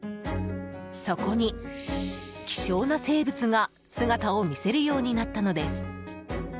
そこに希少な生物が姿を見せるようになったのです。